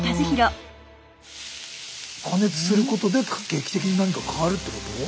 加熱することで劇的に何か変わるってこと？